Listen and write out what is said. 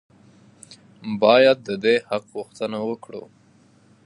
باید د دې حق غوښتنه وکړو.